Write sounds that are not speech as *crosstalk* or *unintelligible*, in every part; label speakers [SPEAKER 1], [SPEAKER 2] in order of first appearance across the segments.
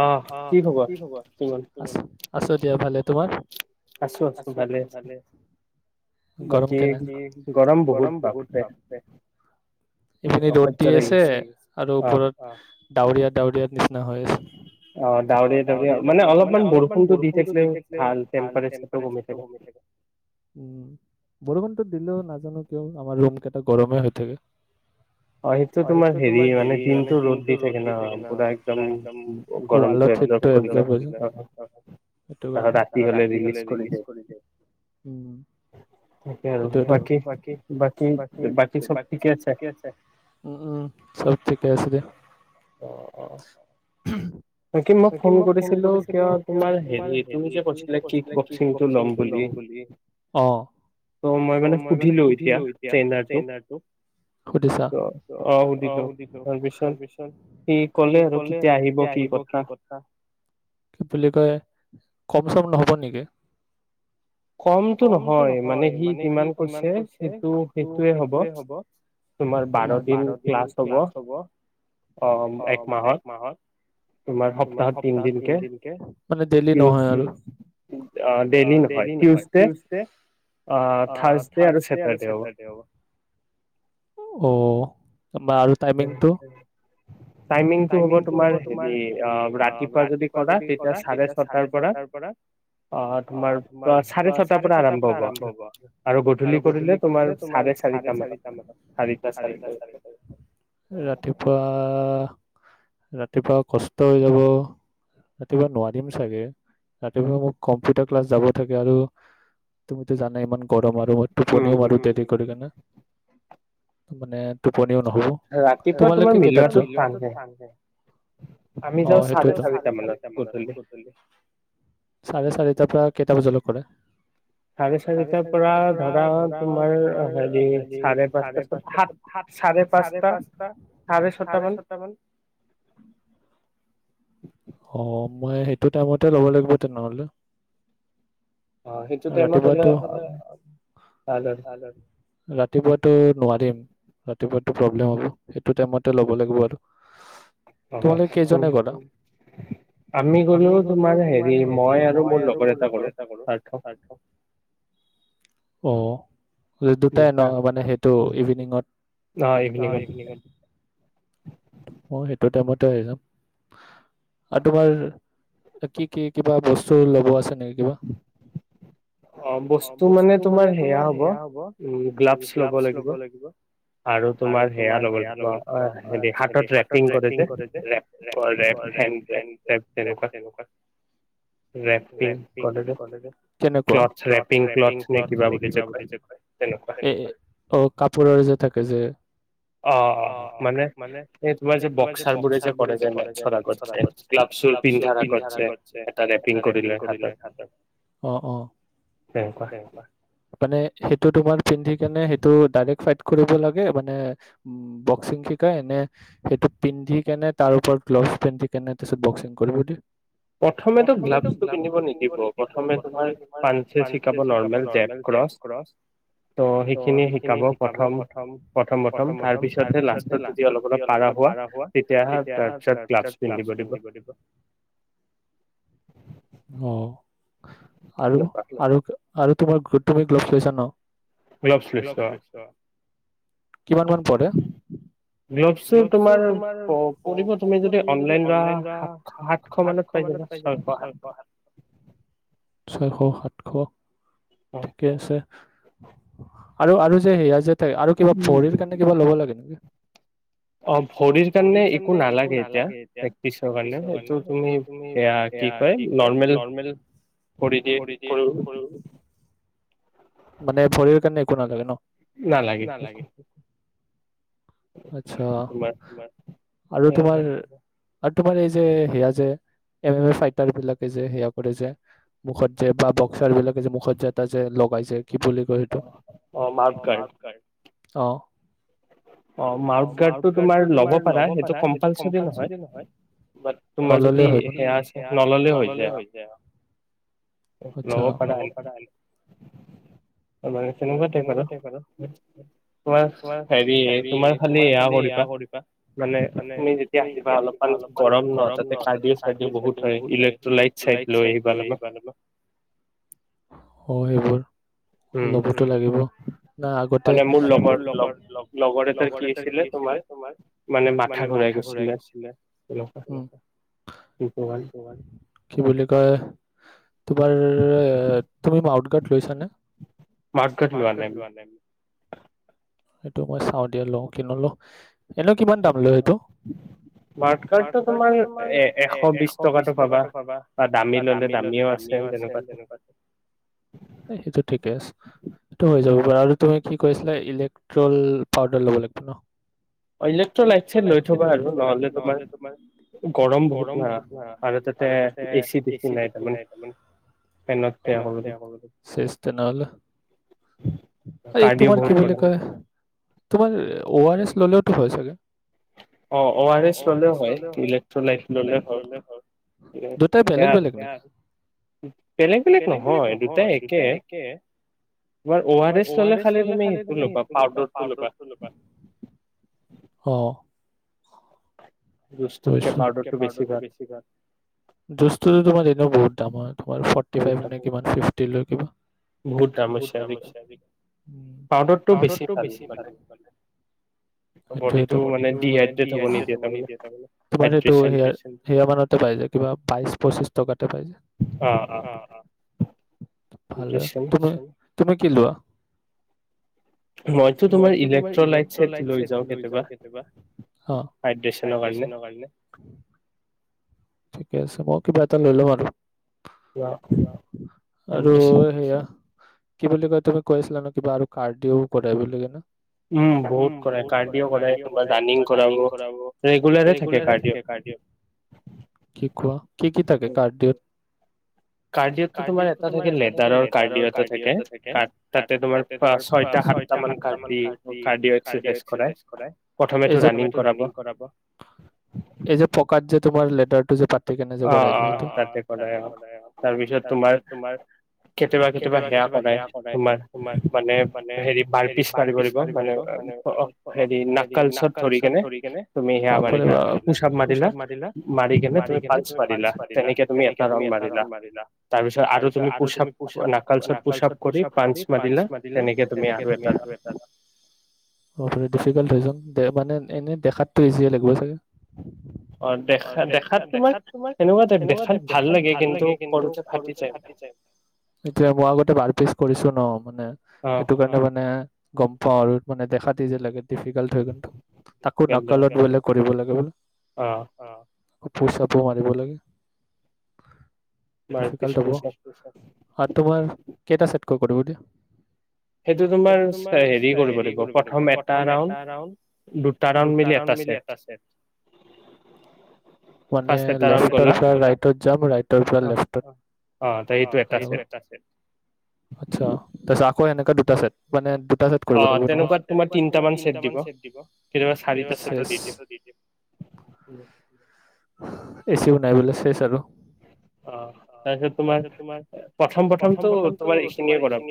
[SPEAKER 1] অঁ কি খবৰ কি হল।
[SPEAKER 2] আছো দিয়া ভালে তোমাৰ? আছো আছো ভালে, গৰম কেনে গৰম বহুত পৰিছে, ইপিনি ৰ'দ দি আছে আৰু ওপৰত অঁ। ডাৱৰীয়া ডাৱৰীয়া। নিচিনা হৈ আছে।
[SPEAKER 1] অঁ ডাৱৰীয়া ডাৱৰীয়া মানে, অলপমান বৰষুণটো দি থাকিলও ভাল টেম্পাচাৰটো কমি থাকে।
[SPEAKER 2] বৰষুণটো দিলও নাজানো কিয়, আমাৰ ৰুম কেইটা গৰমে হৈ থাকে।
[SPEAKER 1] অঁ, সেইটো তোমাৰ হেৰি মানে দিনটো ৰ'দ দি থাকে ন পুৰা একদম।
[SPEAKER 2] স ৰা হ স ব ব বাকী চব ঠিকে আছে *unintelligible* উম উম, চব ঠিকে আছে দ।
[SPEAKER 1] অঁ অঁ।
[SPEAKER 2] উম। মই ফোন কৰিছিলো, এতিয়া তোমাৰ হেৰী তুমি যে কৈছিলা কিক বস্কিং লম বুলি অঁ মই মান সুধিলো এতিয়া অঁ সো তাৰপিছত সি কলে আৰু কেতিয়া আহিব। কি কথা কি বুলি কয় ক। চব নহ'ব নেকি?
[SPEAKER 1] *unintelligible* এসপ্তাহত তিন দিনকে ডেইলি নহয়।
[SPEAKER 2] টিউচদে চেটাৰ দে আৰু থাৰচদে হব। বাল টাইমিংটো।
[SPEAKER 1] টাইমিংটো হ'ব তোমাৰ হেৰি আহ, ৰাতিপুৱা যদি কৰা তেতিয়া চাৰে ছটাৰ পৰা আহ তোমাৰ চাৰে ছটাৰ পৰা আৰম্ভ হব, আৰু আৰু গধূলি কৰিলে তোমাৰ চাৰে চাৰিটা মানৰ পৰা চাৰিটা চাৰে চাৰিটা।
[SPEAKER 2] ৰাতিপুৱা। ৰাতিপুৱা কষ্ট হৈ যাব, ৰাতিপুৱা নোৱাৰিম চাগে ৰাতিপুৱা মোক কম্পিউটাৰ ক্লাছ যাব থাকে আৰু তুমিতো জানা। না ইমান গৰম আৰু মই টুপিনিও মাৰো দেৰি কৰি কিনে- মানে
[SPEAKER 1] ৰাতিপুৱা তোমাৰ মিলোৱাটোত টানে,
[SPEAKER 2] অ ', সেইটো চাৰে-চাৰি মানত, চাৰে চাৰিটা কেইটা বজালে কৰে?
[SPEAKER 1] চাৰে-চাৰিটাৰ পৰা ধৰা তোমাৰ হেৰি চাৰে- -পাঁচটা, সাত চাৰে-পাঁচটা, চাৰে-ছটা মান। *unintelligible*
[SPEAKER 2] অ', সময় সেইটো টাইমতে ল'ব লাগিব তেনেহ'লে। ৰাতিপুৱটো-ৰাতিপুৱাটো নোৱাৰিম। তোমাৰতো প্ৰব্লেম হ'ব, সেইটো টাইমতে লব লাগিব আৰু। তোমালোক কেইজনে গ'লা?
[SPEAKER 1] আমি গলোঁ তোমাৰ হেৰি মই আৰু মোৰ লগৰ এটা গলোঁ পাৰ্থ।
[SPEAKER 2] অ', দুটাই ন', মানে সেইটো ইভিনিংত অহ ', ইভিনিংত অহ ', সেইটো টাইমত, তেহে যাম, আৰু তোমাৰ কি -কি কিবা বস্তু ল'ব আছে, নে কিবা,
[SPEAKER 1] অ', বস্তু মানে তোমাৰ সেয়া হ'ব-গ্লাভছ ল'ব লাগিব, আৰু তোমাৰ সেয়া ল'ব লাগিব হেৰি হাতত ৰেপিং কৰে যে ৰেপ-ৰেপ-হেণ্ড
[SPEAKER 2] হেণ্ড কেপ- টেপ তেনেকুৱা, ৰেপিং কৰেযে, ক্', ক্লথ-ৰেপিং-ক্লথ নে কিবা বুলি যে', কয় অ', কাপোৰৰ যে', থাকে যে',
[SPEAKER 1] অ', -অ ', মানে- এই তোমাৰ যে বক্সাৰ বোৰে যে', কৰে যে', - মেটচৰ আগত
[SPEAKER 2] গ্লাভছুৰ পিন্ধাৰ আগত যে, এটা ৰেপিং কৰিলয় হাতত অ-অ তেনেকুৱা মানে সেইটো তোমাৰ, পিন্ধি কেনে সেইটো ডাইৰেক্ট ফাইট, কৰিব লাগে মানে উম', বক্সিং শিকাই এনে সেইটো পিন্ধি কেনে তাৰ ওপৰত গ্ল'ভছ পিন্ধি কেনে তাৰপাছত বক্সিং কৰিব দিয়ে,
[SPEAKER 1] প্ৰথমেতো গ্লাভছটো পিন্ধিব নিদিব, প্ৰথমে তোমাৰ পাঞ্চিং শিকাব নৰ্মেল, জেপ- ক্ৰচ ত, ' সেইখিনি শিকাব প্ৰথম', - প্ৰথম-প্ৰথম তাৰপিছতহে লাষ্টত যদি অলপ-অলপ পাৰা হোৱা, তেতিয়া তাৰপিছত গ্লাভছ পিন্ধিব
[SPEAKER 2] পিন্ধিব দিব। আহ', আৰু', - আৰু- আৰু। তোমাৰ তুমি, গ্লভছ লৈছা ন',?
[SPEAKER 1] গ্লভচ লৈছোঁ অহ ',
[SPEAKER 2] কিমান মান পৰে।
[SPEAKER 1] গ্লভযোৰ তোমাৰ পৰিব তুমি যদি অনলাইন লোৱা সাত সাতশ মানত পাই যাবা ছয়শ সাতশ।
[SPEAKER 2] ছয়শ সাতশ। ঠিকে আছে? আৰু আৰু যে সেয়া যে। আৰু কিবা ভৰিৰ কাৰণে কিবা ল'ব লাগে নেকি?
[SPEAKER 1] অ ভৰিৰ কাৰণে একো নালাগে এতিয়া প্ৰেক্টিচৰ কাৰণে এইটো তুমিয়া এয়া কি কয় নৰ্মেল ভৰি দিয়ে কৰি।
[SPEAKER 2] মানে ভৰিৰ কাৰণে একো নালাগে ন।
[SPEAKER 1] নালাগে।
[SPEAKER 2] আচ্ছা আৰু তোমাৰ। আৰু তোমাৰ এই যে সেয়া যে এম এম এ ফাইটাৰ বিলাকে যে সেয়া কৰে যে মুখত যে বা বক্সাৰ বিলাকে যে মুখত যে এটা যে লগাই যে।
[SPEAKER 1] অ অ মাৰ্বকাৰ্ড।
[SPEAKER 2] অ'
[SPEAKER 1] অ মাউথ গাৰ্ডটো তোমাৰ ল'ব পাৰা সেইটো কম্পালচৰি নহয় বাট তোমাৰ যদি সেয়া আছে নললে হৈ যায় অ লব পাৰা তেনেকুৱা টাইপ আৰু তোমাৰ হেৰি।
[SPEAKER 2] তোমাৰ খালি এয়া কৰিবা মানে তুমি যেতিয়া আহিবা অলপমান গৰম ন তাতে কাৰি চি বহুত হয় ইলেক্ট্ৰলাইট লৈ আহিবা লগত। *inaudible* *unintelligible* ল'বতো লাগিব ন আগতে মানে মোৰ লগৰটো লগ। লগৰ এটাৰ কি আছিলে তোমাৰ মানে মাথাথা ঘূৰাই গৈছিলে উম। কি বুলি কয়। তোমাৰ তুমি মাউট গাৰ্ড লৈছানে মাউটগাৰ্ড লোৱা নাই? সেইটো মই চাওঁ। এতিয়া লওঁ কি নলও। এ কিমান দাম লয় এইটো মাউটগাৰ্ডটো তোমাৰ এশ বিশ টকাটো পাবা বা দামী ললে দামীও আছে তেনেকুৱা সেইটো ঠিকে আছে? আৰু তুমি কি কৈছিলা ইলেক্ট্ৰল। পাউডাৰ ল'ব লাগিব ন। ইলেট্ৰ লাইট চাইট লৈ থবা আৰু নহলে তোমাৰ গৰম বহুত ধৰা আৰু তাতে এচি নাই তাতে ফেনতে অকল শেষ তেনেহলে এইটো তোমাৰ কি বুলি কয়। তোমাৰ অ আৰ এছ ল'লেওতটো হয় চাগে।
[SPEAKER 1] অ অ অৱাএছ ললে হয় ইলেক্ট্ৰলাইট ললে হয় বেলেগ বেলেগ নহয় দুটাই একে তোমাৰ অ আৰ এছ ললে খালি তুমি সেইটো ল'বা পাউদাৰটো ল'বা।
[SPEAKER 2] অ তোমাৰ এনে বহুত দাম হয় ফৰ্টিফাইভ নে কিমান? *unintelligible* বহুত দাম হৈছে পাউদাৰটো বেছি ভালে সেই বডিটো মানে ডিহাইড্ৰট হব নিদিয়ে তাৰমানে তোমাৰ সেইটো সেয়া, সেয়াৰ মানতে পাই যে কিবা বাইশ, পঁচিশ টকাতে
[SPEAKER 1] অ'-অ' ।
[SPEAKER 2] ভালে তুমি । তুমি কি লোৱা?
[SPEAKER 1] মইতো তোমাৰ ইলেক্ট্ৰলাইটছ হে লৈ যাওঁ কেতিয়াবা হাইড্ৰেচনৰ কাৰণে ।
[SPEAKER 2] *unintelligible* কাৰণে ঠিকে মই কিবা এটা লৈ লম আৰু আৰু সেয়া কি বুলি কয়, তুমি কৈ আছিলা ন' কিবা আৰু কাৰ্ড দিয়েও কৰে বুলি কেনে
[SPEAKER 1] উম, বহুত কৰায় কাৰদিও কৰায় বা ডানিং কৰাব ৰেগুলাৰ
[SPEAKER 2] ৰেগুলাৰ এ থাকে কাৰদিঅ'৷ কি কোৱা কি, কি থাকে কাৰঅ'ত?
[SPEAKER 1] কাৰ্ডিঅ'টো তোমাৰ এটা থাকে লেডাৰৰ কাৰ্ডিঅ এটা থাকে । তাত তাতে তোমাৰ ছয়টা-সাতটামান কাৰ্ডি কাৰ্ডিঅ এক্সাচাইজ কৰায়। প্ৰথমেটো ৰানিং কৰাব ।
[SPEAKER 2] এই যে পকাত যে তোমাৰ লেডাৰটো যে পা
[SPEAKER 1] অ' -অ' তাতে কৰাই অহ । তাৰপিছত তোমাৰ কেতিয়াবা-কেতিয়াবা সেয়া কৰাই তোমাৰ মানে হেৰি বাৰ পিচ মাৰিব লাগিব । মানে হেৰি নাকালচত ধৰি কেনে তুমি সেয়া মাৰিলা, পুচআপ মাৰিলা মাৰি কেনে তুমি
[SPEAKER 2] পাঞ্চ মাৰিলা তেনেকে তুমি এটা ৰাউণ্ড মাৰিলা । তাৰপিছত আৰু তুমি পোচআপ নাকালছত পোচাপ কৰি পাঞ্চ মাৰিলা তেনেকে তুমি আৰু এটা ৰাউণ্ড দে মানে এনে দেখাতটো ইজি লাগ গৈ চাগে । অ' দেখা দেখাত দেখাত তোমাৰ সেনেকুৱা টাইপ দেখাত ভাল লাগে কিন্তু কৰোতে ফাটি যায় । এতিয়া মই আগতে পিছ কৰিছো ন' । মানে সেইটো কাৰণে মানে গম পাও আৰু মানে দেখাত ইজি লাগে । ডিফিকাল্ট হৈ কিন্তু তাকো নাকালত বহিলে কৰিব লাগে বোল
[SPEAKER 1] অহ।
[SPEAKER 2] কপোৰ চাপোৰ মাৰিব লাগে । ডিফিকাল্ট হ'ব বাট তোমাৰ কেইটা চেপ তই কৰিব দে
[SPEAKER 1] সেইটো তোমাৰ চে হেৰি কৰিব লাগিব প্ৰথম এটা ৰাউণ্ড, দুটা ৰাউণ্ড মিলি এটা ছেট ।
[SPEAKER 2] এটা ছেট মানে লেফ্টৰ পৰা ৰাইটত যাম, ৰাইটৰ পৰা লেফ্টত। অ' সেইটো এটা ছেট আচ্ছা তাৰ পিছত আকৌ *unintelligible* অ' এনেকা দুটা চাইট মানে দুটা চাইট কৰিব লাগিব ন' অ তেনেকুৱা তোমাৰ তিন মান ছেট দিব ।কেতিয়াবা চাৰিটা চেচ *unintelligible*
[SPEAKER 1] *inaudible*
[SPEAKER 2] এ চি বনাই বলে চেছ আৰু *unintelligible*
[SPEAKER 1] অ তাৰপিছত তোমাৰ প্ৰথম প্ৰথমতটো তোমাৰ এইখিনিয়ে কৰাব,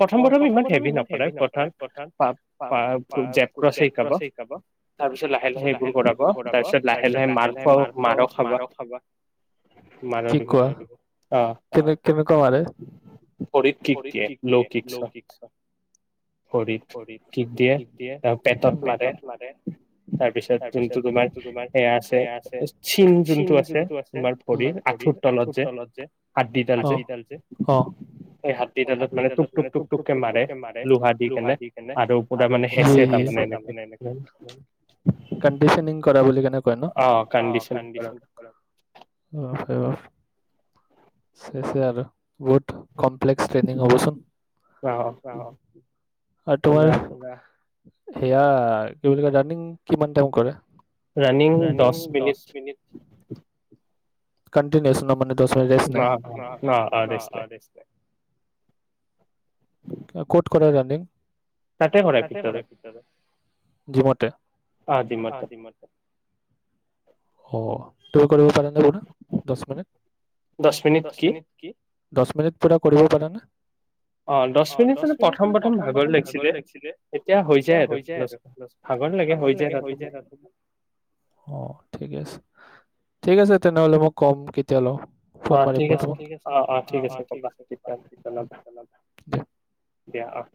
[SPEAKER 1] প্ৰথম প্ৰথম ইমান হেভি নকৰাই পা জেপ ক্ৰচ হে শিকাব তাৰপিছত লাহে লাহে এইবোৰ কৰাব তাৰপিছত লাহে লাহে মাৰ খোৱা মাৰো খাবা *unintelligible* মান দিব আহ খৰিত কিক দিয়ে লৌ কিকচ হয়, খৰিত কিক দিয়ে পেটত মাৰে তাৰপিছত যোনটো তোমাৰ সেয়া আছে চিং যোনটো আছে *unintelligible* তোমাৰ ভৰিৰ আঠুৰ তলত যে
[SPEAKER 2] অ মানে টোক টোক টোক কে মাৰে লোহা দিগিনে তাৰমানে কণ্ডিচনিং কৰা বুলি কই *unintelligible* অ কন্ডিচন‌ কয় হয় *unintelligible* শেছে আৰু বহুত কমপ্লেক্স ট্ৰেনিং হবচোন আৰু তোমাৰ সেয়া কি বুলি ৰানিং কিমান টাইম কৰে?
[SPEAKER 1] ৰানিং দছ মিনিট
[SPEAKER 2] কণ্টিনচ ন মানে মিন দেছ নাই দে নাই *unintelligible* ক'ত কৰে ৰানিং? তাতে কৰে ভিতৰত দিমতে অ দিমতে অ ত কৰিব পাৰেনে আৰু দছ মিনিট? মিনিট কি? দহ মিনিট পুৰা কৰিব পাৰানে? অ দহ মিনিট মানে প্ৰথম প্ৰথম ভাগৰ লাগিছিলে, এতিয়া হৈ যায় আৰু দ ভাগৰ লাগে হৈ যায় ত অ ঠিকে আছে *unintelligible* ঠিক আছে তেনেহ'লে মোক কম কেতিয়া ল‌ও
[SPEAKER 1] অ ঠিক আছে অ অঁ ঠিক আছে ক'বা তেতিয়াহ জনাবা দিয়া অহ